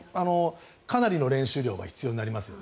かなりの練習量が必要になりますね。